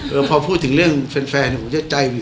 เออพอพูดถึงเรื่องเฟน่ะผมก็จะใจหวิ๋ว